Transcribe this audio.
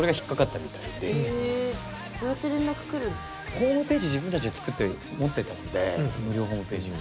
ホームページ自分たちで作って持ってたので無料ホームページ。